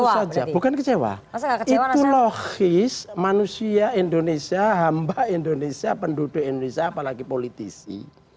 itu saja bukan kecewa itu logis manusia indonesia hamba indonesia penduduk indonesia apalagi politisi